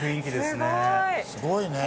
すごいね。